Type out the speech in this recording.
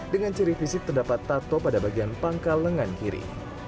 dengan ciri fisik terdapat tato pada bagian pangkal lengan kiri